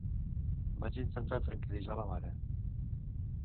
Vaig intentar tranquil·litzar la mare.